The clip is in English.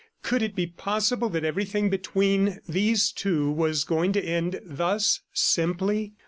Could it be possible that everything between these two was going to end thus simply?